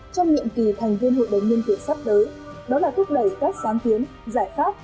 trong nhiệm kỳ thành viên hội đồng nhân quyền sắp tới đó là thúc đẩy các sáng kiến giải pháp